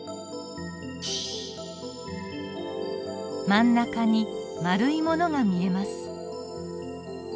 真ん中に丸いものが見えます。